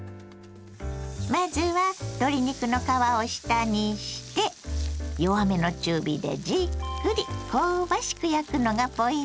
まずは鶏肉の皮を下にして弱めの中火でじっくり香ばしく焼くのがポイントです。